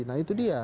nah itu dia